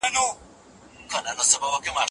په خپلو کړو به ګاونډي ویاړي